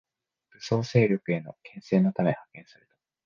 武装勢力への牽制のため派遣された